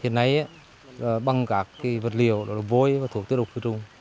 hiện nay bằng các vật liệu vôi và thuộc tiêu độc khử trung